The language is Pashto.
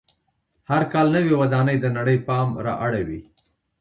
هر کال نوې ودانۍ د نړۍ پام را اړوي.